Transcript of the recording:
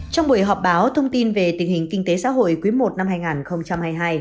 trong buổi họp báo thông tin về tình hình kinh tế xã hội quý i năm hai nghìn hai mươi hai